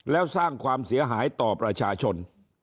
แล้วสร้างความเสียหายต่อประชาชน